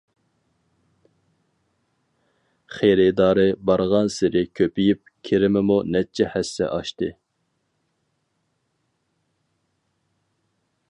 خېرىدارى بارغانسېرى كۆپىيىپ، كىرىمىمۇ نەچچە ھەسسە ئاشتى.